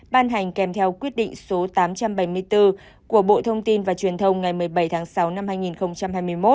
ban hành kèm theo quyết định số tám trăm bảy mươi bốn của bộ thông tin và truyền thông ngày một mươi bảy tháng sáu năm hai nghìn hai mươi một